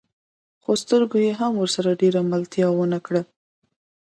خو سترګو يې هم ورسره ډېره ملتيا ونه کړه.